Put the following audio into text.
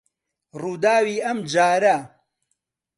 ڕووداوی ئەم جارە